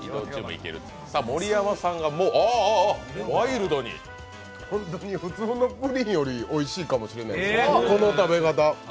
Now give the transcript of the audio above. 盛山さんがもう、ワイルドに本当に普通のプリンよりおいしいかもしれないです、この食べ方。